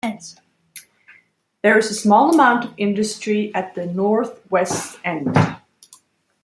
There is a small amount of industry at the north west end.